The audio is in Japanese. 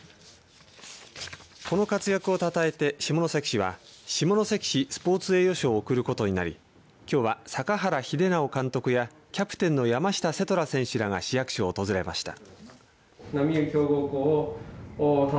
この活躍をたたえて下関市は下関市スポーツ栄誉賞を贈ることになりきょうは、坂原秀尚監督やキャプテンの山下世虎選手らが市役所を訪れました。